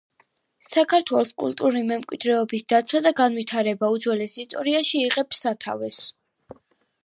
საქართველოს კულტურული მემკვიდრეობის დაცვა და განვითარება უძველეს ისტორიაში იღებს სათავეს.